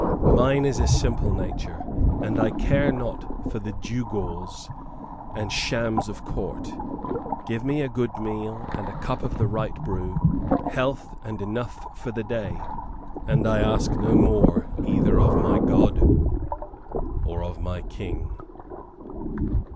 "Mine is a simple nature, and I care not for the gewgaws and shams of Court. Give me a good meal and a cup of the right brew, health, and enough for the day, and I ask no more either of my God or of my King."